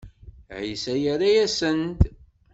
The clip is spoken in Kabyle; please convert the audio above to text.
Ɛisa yerra-asen-d.